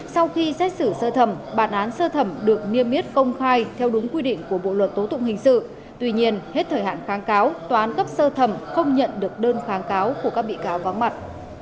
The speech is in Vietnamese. sau khi xét xử sơ thẩm bản án sơ thẩm được niêm yết công khai theo đúng quy định của bộ luật tố tụng hình sự tuy nhiên hết thời hạn kháng cáo tòa án cấp sơ thẩm không nhận được đơn kháng cáo của các bị cáo vắng mặt